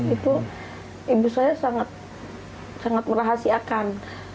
itu ibu saya sangat merahasiakan